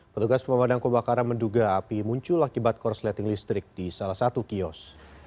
petugas pemadam kebakaran menduga api muncul akibat korsleting listrik di salah satu kios